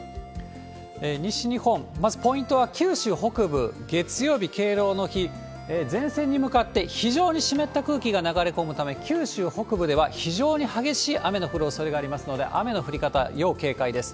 西日本、まずポイントは、九州北部、月曜日敬老の日、前線に向かって非常に湿った空気が流れ込むため、九州北部では非常に激しい雨の降るおそれがありますので、雨の降り方、要警戒です。